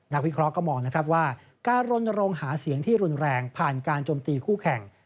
วิเคราะห์ก็มองนะครับว่าการรณรงค์หาเสียงที่รุนแรงผ่านการจมตีคู่แข่ง